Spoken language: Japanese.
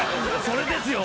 それですよ。